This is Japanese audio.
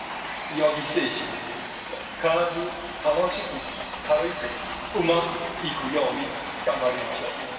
必ず楽しく、軽く、うまくいくように頑張りましょう。